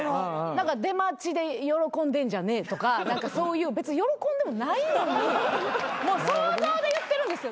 出待ちで喜んでんじゃねえとか何かそういう別に喜んでもないのにもう想像で言ってるんですよ。